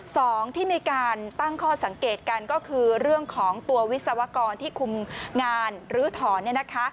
สองที่มีการตั้งข้อสังเกตกันก็คือเรื่องของตัววิศวกรที่คุมงานลื้อถอนเนี่ยนะคะ